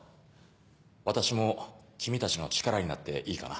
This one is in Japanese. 私も君たちの力になっていいかな？